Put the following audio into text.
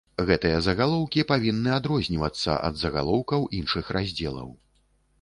Гэтыя загалоўкі павінны адрознівацца ад загалоўкаў іншых раздзелаў.